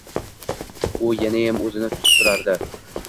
U yanayam oʻzini tutib turardi.